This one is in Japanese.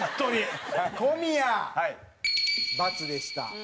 小宮×でした。